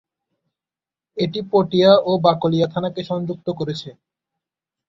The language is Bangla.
এটি পটিয়া ও বাকলিয়া থানাকে সংযুক্ত করেছে।